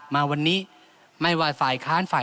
มาวันนี้ไม่ว่าฝ่ายค้านฝ่าย